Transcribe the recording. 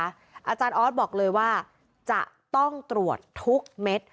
อาจารย์ออสบอกเลยว่าจะต้องตรวจทุกเม็ด